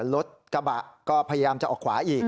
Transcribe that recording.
รถกระบะก็พยายามจะออกขวาอีก